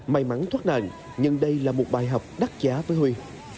may mắn thoát nạn nhưng đây là một bài học đắt giá với huy